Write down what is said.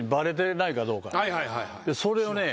それをね